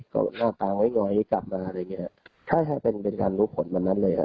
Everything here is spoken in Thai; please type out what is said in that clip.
ก็หน้าตาไว้น้อยกลับมาอะไรอย่างเงี้ยค่ะเป็นการรู้ผลเหมือนนั้นเลยค่ะ